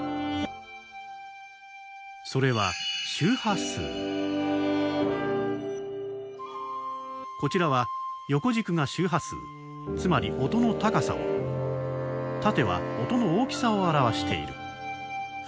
それはこちらは横軸が周波数つまり音の高さを縦は音の大きさを表している。